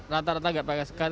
rata rata nggak pakai sekat